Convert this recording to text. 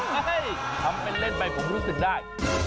ให้ทำเป็นเล่นไปผมรู้สึกได้